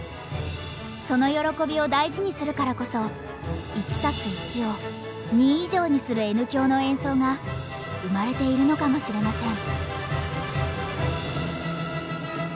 その喜びを大事にするからこそ１＋１を２以上にするＮ響の演奏が生まれているのかもしれません。